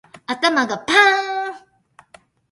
頭がパーン